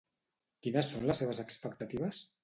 Quines són les seves expectatives?